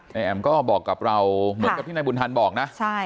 แอ๋มก็บอกกับเราเหมือนกับที่นายบุญธรรมบอกนะ